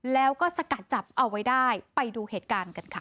แล้วก็สกัดจับเอาไว้ได้ไปดูเหตุการณ์กันค่ะ